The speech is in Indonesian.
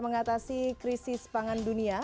mengatasi krisis pangan dunia